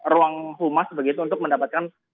ruang humas begitu untuk mendapatkan